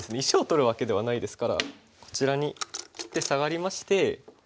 石を取るわけではないですからこちらに切ってサガりまして。